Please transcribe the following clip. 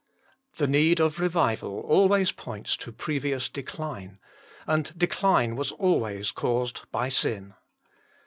The need of revival always points to previous decline ; and decline was always caused by sin.